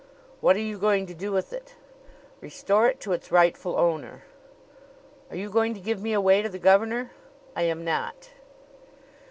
"What are you going to do with it?" "Restore it to its rightful owner." "Are you going to give me away to the governor?" "I am not."